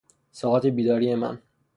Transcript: ساعات بیداری من